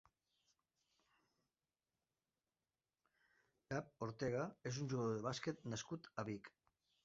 Pep Ortega és un jugador de bàsquet nascut a Vic.